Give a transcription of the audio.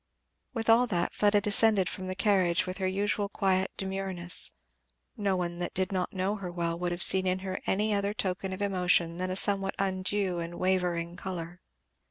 With all that, Fleda descended from the carriage with her usual quiet demureness; no one that did not know her well would have seen in her any other token of emotion than a somewhat undue and wavering colour.